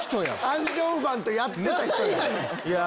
アン・ジョンファンとやってた人や！